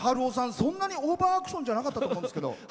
そんなにオーバーアクションじゃなかったと思うんですけど。